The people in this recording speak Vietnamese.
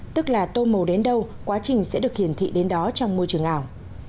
tức là tô màu đến đâu quá trình sẽ được hiển thị đến đó trong môi trường ảo